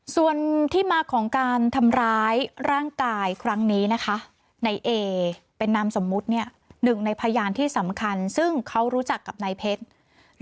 ส่วนที่มาของการทำร้ายร่างกายครั้งนี้นะคะในเอเป็นนามสมมุติหนึ่งในพยานที่สำคัญซึ่งเขารู้จักกับนายเพชร